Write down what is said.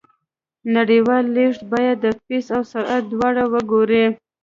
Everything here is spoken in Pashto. نړیوال لیږد باید د فیس او سرعت دواړه وګوري.